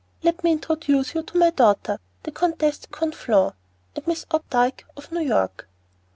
Let me introduce you to my daughter, the Comtesse de Conflans, and Miss Opdyke, of New York."